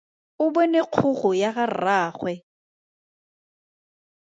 O bone kgogo ya ga rraagwe!